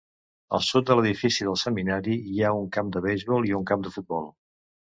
Al sud de l'edifici del seminari hi ha un camp de beisbol i un camp de futbol.